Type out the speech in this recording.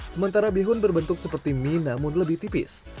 sementara bihun berbentuk seperti mie namun lebih tipis